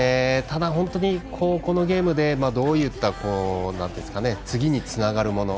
ただ、本当にこのゲームでどういった次につなげるもの